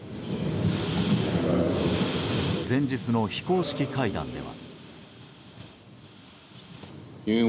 前日の非公式会談では。